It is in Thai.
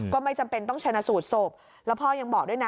ก็ไม่จำเป็นต้องชนะสูตรศพแล้วพ่อยังบอกด้วยนะ